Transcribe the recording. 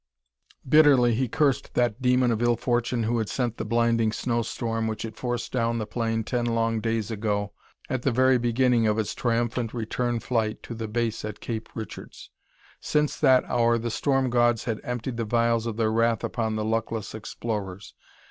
Bitterly he cursed that demon of ill fortune who had sent the blinding snow storm which had forced down the plane ten long days ago at the very beginning of its triumphant return flight to the base at Cape Richards. Since that hour the storm gods had emptied the vials of their wrath upon the luckless explorers.